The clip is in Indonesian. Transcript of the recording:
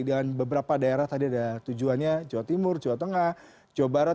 dan beberapa daerah tadi ada tujuannya jawa timur jawa tengah jawa barat